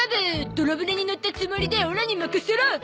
泥船に乗ったつもりでオラに任せろ！